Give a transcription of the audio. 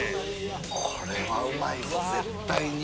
これはうまいぞ、絶対に。